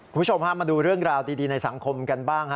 คุณผู้ชมพามาดูเรื่องราวดีในสังคมกันบ้าง